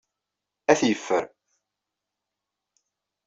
Ad t-yeffer.